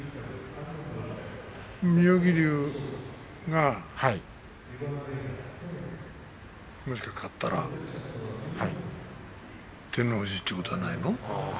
妙義龍はもし勝ったら照ノ富士ということじゃないの？